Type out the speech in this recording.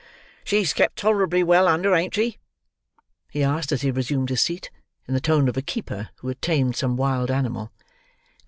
"She's kept tolerably well under, ain't she?" he asked as he resumed his seat: in the tone of a keeper who had tamed some wild animal.